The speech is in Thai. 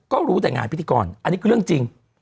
ก็รู้แต่งานพิธีกรอันนี้คือเรื่องจริง